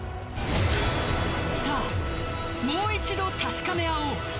さあ、もう一度確かめ合おう。